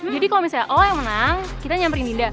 jadi kalau misalnya o yang menang kita nyamperin dinda